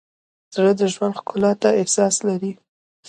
زړه د ژوند ښکلا ته احساس لري.